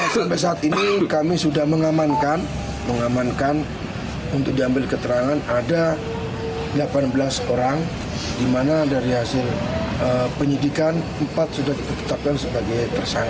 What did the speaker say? sampai saat ini kami sudah mengamankan mengamankan untuk diambil keterangan ada delapan belas orang di mana dari hasil penyidikan empat sudah ditetapkan sebagai tersangka